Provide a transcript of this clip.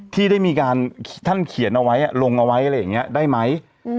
ที่ได้มีการท่านเขียนเอาไว้ลงเอาไว้อะไรอย่างนี้ได้ไหม